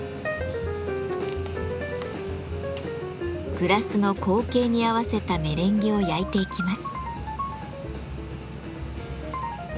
グラスの口径に合わせたメレンゲを焼いていきます。